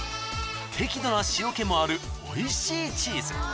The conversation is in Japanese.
適度な塩気もある美味しいチーズ。